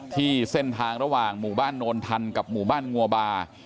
ที่เส้นทางระหว่างหมู่บ้านโนนทันกับหมู่บ้านงัวบา